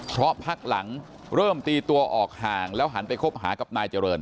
เพราะพักหลังเริ่มตีตัวออกห่างแล้วหันไปคบหากับนายเจริญ